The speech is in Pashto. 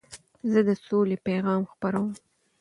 زه د سولي پیغام خپروم.